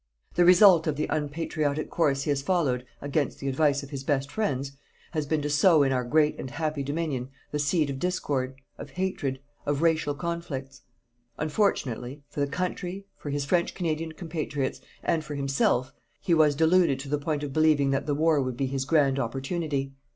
The result of the unpatriotic course he has followed, against the advice of his best friends, has been to sow in our great and happy Dominion the seed of discord, of hatred, of racial conflicts. Unfortunately, for the country, for his French Canadian compatriots, and for himself, he was deluded to the point of believing that the war would be his grand opportunity.